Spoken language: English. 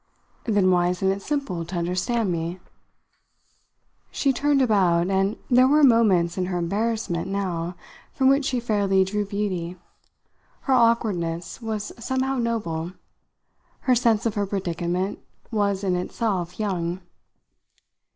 "Then why isn't it simple to understand me?" She turned about, and there were moments in her embarrassment, now, from which she fairly drew beauty. Her awkwardness was somehow noble; her sense of her predicament was in itself young.